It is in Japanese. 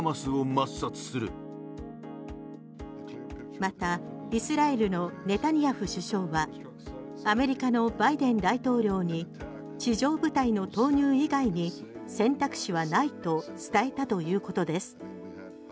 またイスラエルのネタニヤフ首相はアメリカのバイデン大統領に地上部隊の投入以外に選択肢はないと伝えたということです。